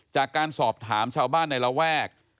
จากการสอบถามชาวบ้านในระแวก